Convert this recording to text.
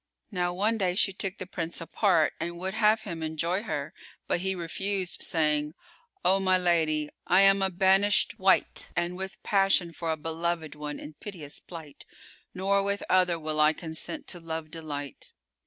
Now one day she took the Prince apart and would have him enjoy her; but he refused, saying, "O my lady, I am a banisht wight and with passion for a beloved one in piteous plight, nor with other will I consent to love delight."